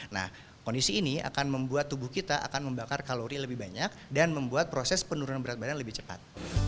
nah kondisi ini akan membuat tubuh kita akan membakar kalori lebih banyak dan membuat proses penurunan berat badan lebih cepat